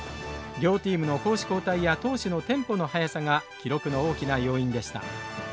両チームの攻守交代や投手のテンポの速さが記録の大きな要因でした。